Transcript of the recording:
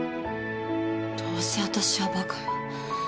どうせ私はバカよ。